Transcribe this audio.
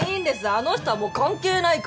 あの人はもう関係ないから。